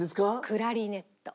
クラリネット？